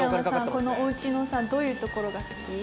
このおうちのさどういうところが好き？